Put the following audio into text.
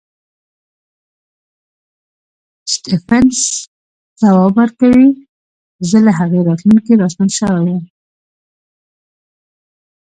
سټېفنس ځواب ورکوي زه له هغې راتلونکې راستون شوی یم